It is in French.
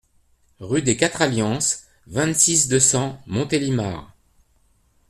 Rue des Quatre Alliances, vingt-six, deux cents Montélimar